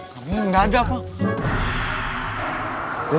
kambingnya nggak ada pak